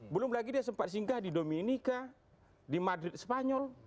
belum lagi dia sempat singgah di dominika di madrid spanyol